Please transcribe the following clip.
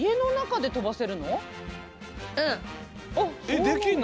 できんの？